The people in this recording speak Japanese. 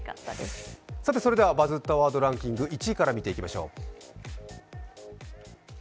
それでは「バズったワードランキング」１位から見ていきましょう。